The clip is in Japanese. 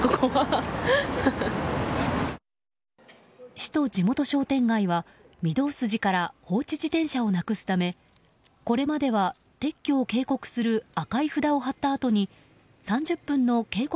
市と地元商店街は、御堂筋から放置自転車をなくすためこれまでは撤去を警告する赤い札を貼ったあとに３０分の警告